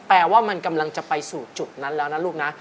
แปลว่ามันกำลังจะไปสู่จุดนั้นแล้วนะลูกนะ